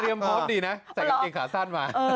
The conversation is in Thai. เตรียมโพสต์ดีนะใส่กางเกงขาสั้นมา